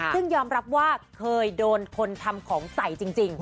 ซึ่งยอมรับว่าเคยโดนคนทำของใส่จริง